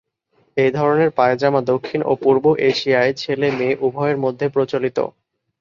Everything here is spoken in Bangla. এ ধরনের পায়জামা দক্ষিণ ও পূর্ব এশিয়ায় ছেলে-মেয়ে উভয়ের মধ্যে প্রচলিত।